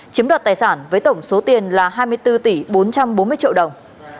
chiếm đoạt tài sản với tổng số tiền là hai mươi bốn tỷ bốn trăm bốn mươi triệu đồng